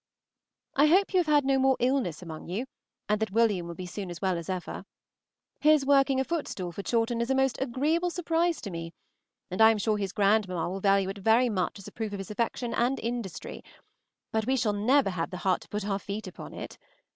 I hope you have had no more illness among you, and that William will be soon as well as ever. His working a footstool for Chawton is a most agreeable surprise to me, and I am sure his grandmamma will value it very much as a proof of his affection and industry, but we shall never have the heart to put our feet upon it.